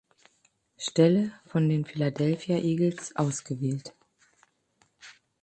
Stelle von den Philadelphia Eagles ausgewählt.